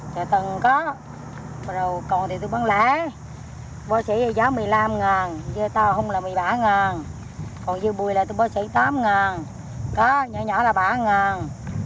còn dưa bùi này tôi bán chỉ tám ngàn có nhỏ nhỏ là bảy ngàn